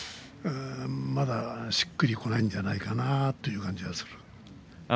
まだしっくりこないんじゃないかなという感じがしますね。